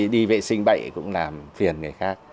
đi vệ sinh bậy cũng làm phiền người khác